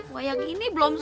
wah yang ini belum sunat